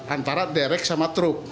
antara derek sama truk